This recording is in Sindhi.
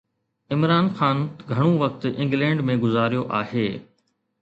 عمران خان گهڻو وقت انگلينڊ ۾ گذاريو آهي.